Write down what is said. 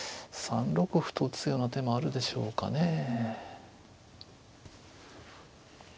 ３六歩と打つような手もあるでしょうかね。